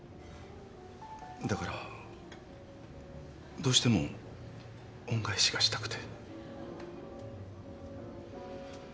だからどうしても恩返しがしたくて。